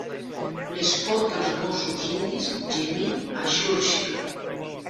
Escolta als gossos indis gemint a Churchill.